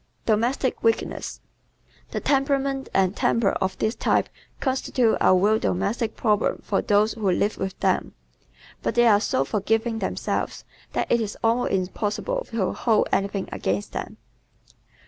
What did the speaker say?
Domestic Weakness ¶ The temperament and temper of this type constitute a real domestic problem for those who live with them. But they are so forgiving themselves that it is almost impossible to hold anything against them.